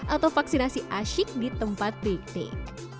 atau vaksinasi asyik di tempat piknik